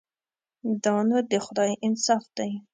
دا نو د خدای انصاف دی.